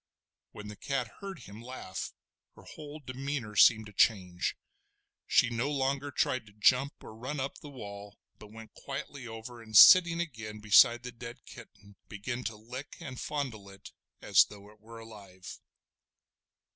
When the cat heard him laugh, her whole demeanour seemed to change. She no longer tried to jump or run up the wall, but went quietly over, and sitting again beside the dead kitten began to lick and fondle it as though it were alive.